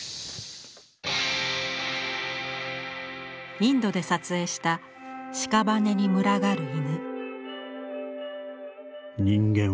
インドで撮影した屍に群がる犬。